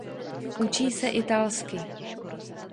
Učí se italsky.